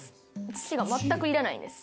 土が全くいらないんです。